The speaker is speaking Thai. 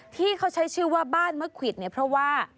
ที่เขาใช้ชื่อว่าบ้านมะควิดเนี่ยเพราะว่า